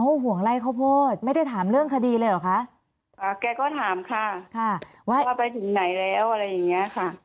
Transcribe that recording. อ้าวห่วงไล่เขาโพธแกก็ถามค่ะก็มาและบอกว่าไปถึงไหนแล้วอะไรอย่างนี้ค่ะ